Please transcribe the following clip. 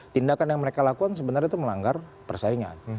tindakan yang mereka lakukan sebenarnya itu melanggar persaingan